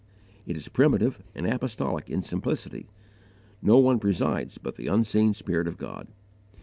It is primitive and apostolic in simplicity. No one presides but the unseen Spirit of God.